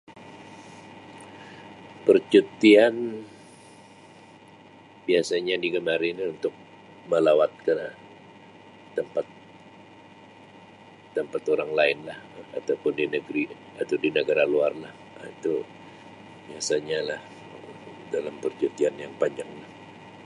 Percutian biasanya digemari ini untuk melawat ke tempat-tempat orang lain lah Um ataupun di negeri, atau di negara luar lah Um itu biasanya dalam percutian yang panjang lah.